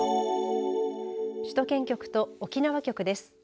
首都圏局と沖縄局です。